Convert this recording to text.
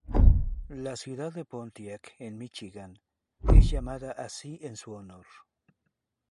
La ciudad de Pontiac en Míchigan es llamada así en su honor.